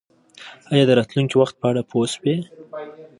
ایا د راتلونکي وخت په اړه پوه شوئ؟